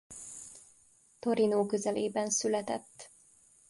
Torino közelében született.